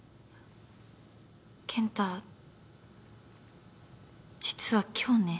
健太実は今日ね。